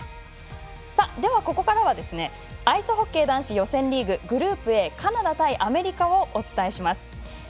では、ここからはアイスホッケー男子予選リーググループＡ、カナダ対アメリカをお伝えします。